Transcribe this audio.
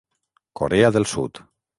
Corea del Sud.